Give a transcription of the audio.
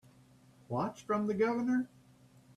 What's from the Governor?